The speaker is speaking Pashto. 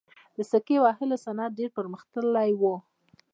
د سکې وهلو صنعت ډیر پرمختللی و